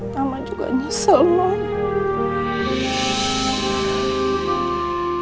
mama juga nyesel mama